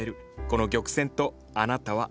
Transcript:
この玉扇とあなたは。